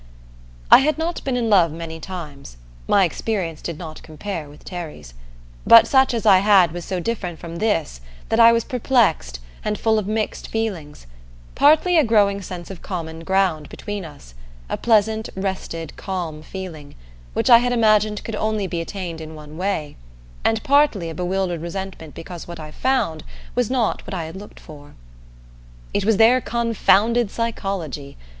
I had not been in love many times my experience did not compare with Terry's. But such as I had was so different from this that I was perplexed, and full of mixed feelings: partly a growing sense of common ground between us, a pleasant rested calm feeling, which I had imagined could only be attained in one way; and partly a bewildered resentment because what I found was not what I had looked for. It was their confounded psychology!